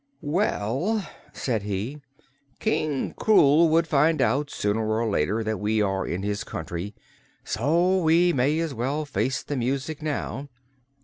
"Well," said he, "King Krewl would find out, sooner or later, that we are in his country, so we may as well face the music now.